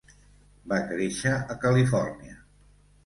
Va créixer a Califòrnia.